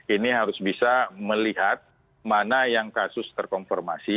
ini harus bisa melihat mana yang kasus terkonfirmasi